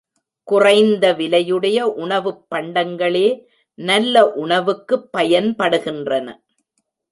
குறைந்த விலையுடைய உணவுப் பண்டங்களே நல்ல உணவுக்குப் பயன்படுகின்றன.